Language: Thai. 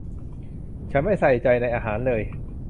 ฉันไม่ใส่ใจในอาหารเลย